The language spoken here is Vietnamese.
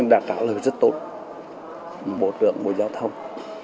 đã trả lời rất tốt bộ trưởng bộ giao thông